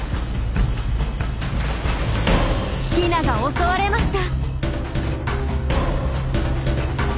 ヒナが襲われました。